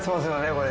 これ。